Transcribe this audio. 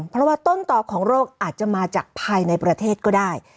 เพราะว่าต้นต่อของโรคอาจจะมาจากภายในประเทศก็ได้